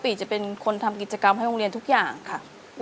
จะเป็นคนทำกิจกรรมให้โรงเรียนทุกอย่างค่ะ